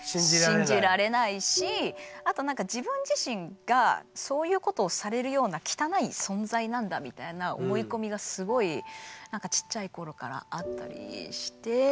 信じられないしあとなんか自分自身がそういうことをされるような汚い存在なんだみたいな思い込みがすごい小さいころからあったりして。